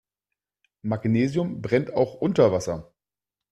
Magnesium brennt auch unter Wasser.